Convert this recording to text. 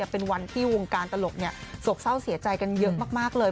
เป็นวันที่วงการตลกโศกเศร้าเสียใจกันเยอะมากเลย